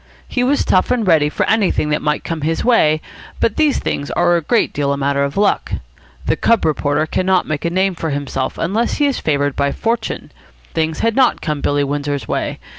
He was tough and ready for anything that might come his way, but these things are a great deal a matter of luck. The cub reporter cannot make a name for himself unless he is favoured by fortune. Things had not come Billy Windsor's way.